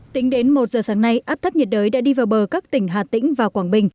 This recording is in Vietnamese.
tính đến một giờ sáng nay áp thấp nhiệt đới đã đi vào bờ các tỉnh hà tĩnh và quảng bình